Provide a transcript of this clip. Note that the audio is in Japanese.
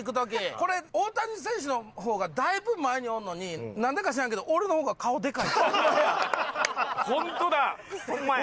これ大谷選手の方がだいぶ前におるのになんでか知らんけど本当だ！ホンマや！